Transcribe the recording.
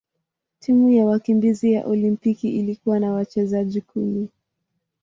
Timu ya wakimbizi ya Olimpiki ilikuwa na wachezaji kumi.